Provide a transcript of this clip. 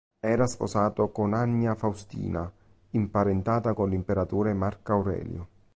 Era sposato con Annia Faustina, imparentata con l'imperatore Marco Aurelio.